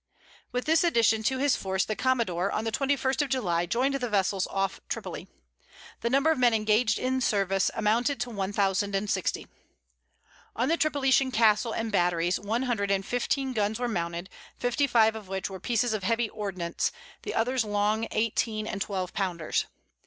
With this addition to his force, the commodore on the 21st of July, joined the vessels off Tripoli. The number of men engaged in the service amounted to one thousand and sixty. On the Tripolitan castle and batteries, one hundred and fifteen guns were mounted, fifty five of which were pieces of heavy ordnance, the others long eighteen and twelve pounders.